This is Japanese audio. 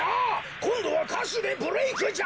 こんどはかしゅでブレークじゃ！